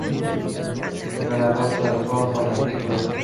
El ganador se alzó con el título.